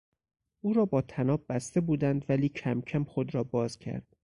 او را با طناب بسته بودند ولی کمکم خود را باز کرد.